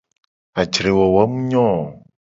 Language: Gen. Ajre wowo mu nyo o.